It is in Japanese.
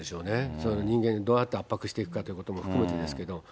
そういう人間、どうやって圧迫していくかっていうことも含めてですけど。